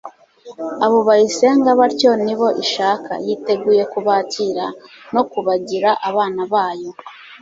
Abo bayisenga batyo ni bo ishaka. Yiteguye kubakira, no kubagira abana bayo.